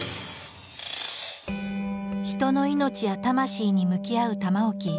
人の命や魂に向き合う玉置。